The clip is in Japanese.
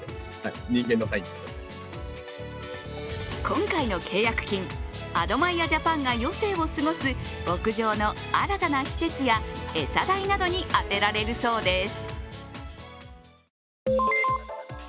今回の契約金、アドマイヤジャパンが余生を過ごす牧場の新たな施設や餌代などに充てられるそうです。